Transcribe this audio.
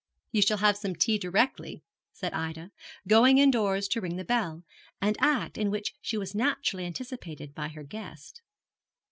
'You shall have some tea directly,' said Ida, going indoors to ring the bell, an act in which she was naturally anticipated by her guest.